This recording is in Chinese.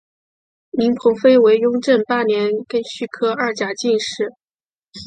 林鹏飞为雍正八年庚戌科二甲进士。